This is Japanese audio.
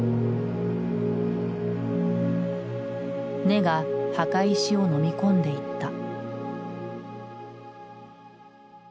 根が墓石をのみ込んでいった。